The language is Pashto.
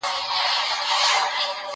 بيزو وان د خپل تقدير د دام اسير وو